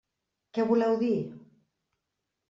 Què voleu dir?